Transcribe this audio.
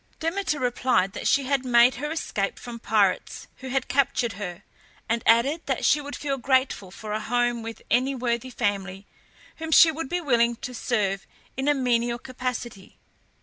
Demeter replied that she had made her escape from pirates, who had captured her, and added that she would feel grateful for a home with any worthy family, whom she would be willing to serve in a menial capacity.